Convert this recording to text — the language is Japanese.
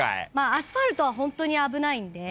アスファルトはホントに危ないんで。